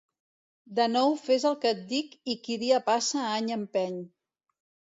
De nou fes el que et dic i qui dia passa any empeny.